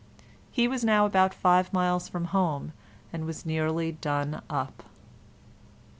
He was now about five miles from home, and was nearly done up.